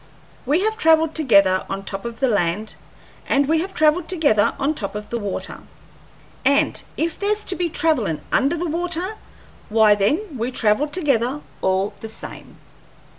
We have travelled together on top of the land, and we have travelled together on top of the water, and if there's to be travellin' under the water, why then we travel together all the same.